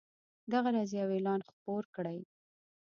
دغه راز یو اعلان خپور کړئ.